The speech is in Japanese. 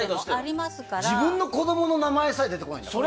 自分の子供の名前さえ出てこないんだって。